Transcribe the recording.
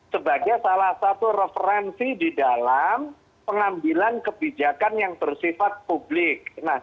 sebagai salah satu referensi di dalam pengambilan kebijakan yang bersifat publik